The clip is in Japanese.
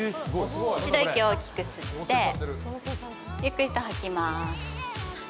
一度息を大きく吸って、ゆっくりと吐きます。